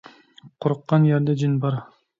قورققان يەردە جىن بار.